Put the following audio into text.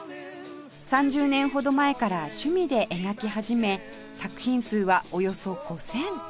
３０年ほど前から趣味で描き始め作品数はおよそ５０００